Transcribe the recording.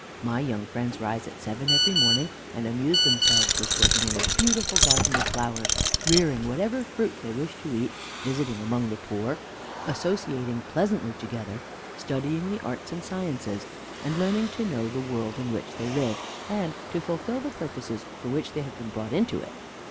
My young friends rise at seven every morning, and amuse themselves with working in a beautiful garden of flowers, rearing whatever fruit they wish to eat, visiting among the poor, associating pleasantly together, studying the arts and sciences, and learning to know the world in which they live, and to fulfil the purposes for which they have been brought into it.